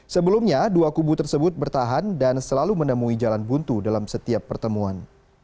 sebelumnya dua kubu tersebut bertahan dan selalu menemui jalan buntu dalam setiap pertemuan